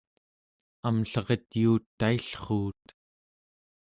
amlleret yuut taillruut